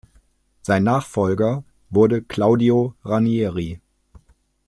Sein Nachfolger wurde Claudio Ranieri.